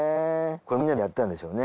これみんなでやったんでしょうね。